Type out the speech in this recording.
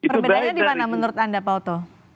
perbedaannya dimana menurut anda pak oto